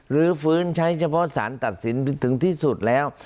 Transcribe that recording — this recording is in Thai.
ลื้อฟื้นใช้เฉพาะสารตัดสินถึงที่สุดแล้ว